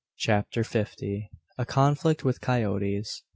CHAPTER FIFTY. A CONFLICT WITH COYOTES.